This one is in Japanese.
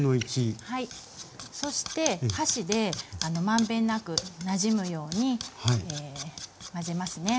そして箸で満遍なくなじむように混ぜますね。